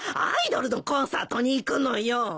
アイドルのコンサートに行くのよ。